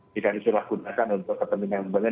tidak disalahgunakan untuk kepentingan